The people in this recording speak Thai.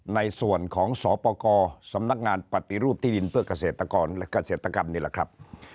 ในส่วนของสปกรสำนักงานปฏิรูปที่ดินเพื่อเกษตรกรและเกษตรกรรมนี่แหละครับ